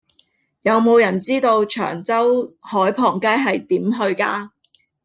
有無人知道長洲海傍街係點去㗎